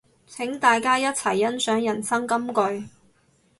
請大家一齊欣賞人生金句